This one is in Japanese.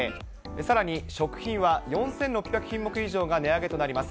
さらに食品は４６００品目以上が値上げとなります。